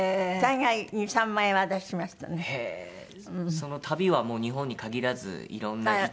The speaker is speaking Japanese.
その旅はもう日本に限らずいろんな。